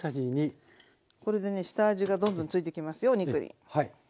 これでね下味がどんどんついてきますよお肉に。